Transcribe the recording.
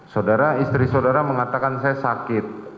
sodara istri sodara mengatakan saya sakit